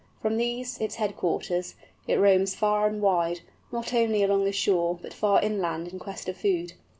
From these, its headquarters, it roams far and wide, not only along the shore, but far inland in quest of food.